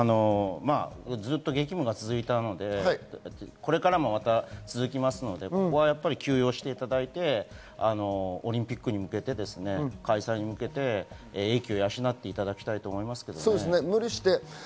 激務が続いたので、これからも続きますので、ここは休養していただいて、オリンピックに向けて英気を養っていただきたいと思いますね。